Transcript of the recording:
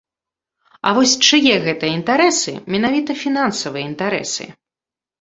А вось чые гэта інтарэсы, менавіта фінансавыя інтарэсы?